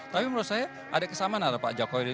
tapi menurut saya ada kesamaan antara pak jokowi